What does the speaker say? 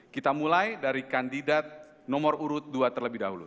kita mulai dari kandidat nomor urut dua terlebih dahulu